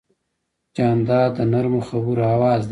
جانداد د نرمو خبرو آواز دی.